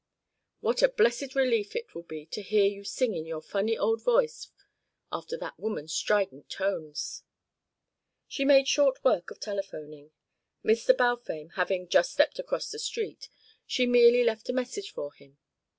What a blessed relief it will be to hear you sing in your funny old voice after that woman's strident tones." She made short work of telephoning. Mr. Balfame, having "just stepped across the street," she merely left a message for him.